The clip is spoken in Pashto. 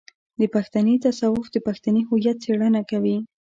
د پښتني تصوف د پښتني هويت څېړنه کوي.